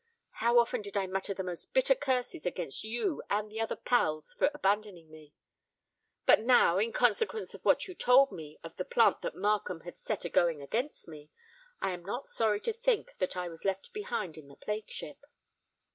How often did I mutter the most bitter curses against you and the other pals for abandoning me;—but now, in consequence of what you told me of the plant that Markham had set a going against me, I am not sorry to think that I was left behind in the plague ship.